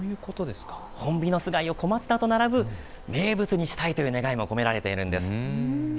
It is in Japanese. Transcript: ホンビノス貝を小松菜と並ぶ名物にしたいということが込められているんです。